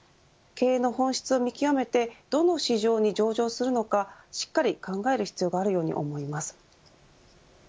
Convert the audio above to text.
経営の本質を見極めてどの市場に上場するのかしっかり考える必要があると思います。